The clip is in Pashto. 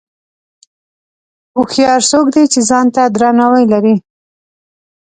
هوښیار څوک دی چې ځان ته درناوی لري.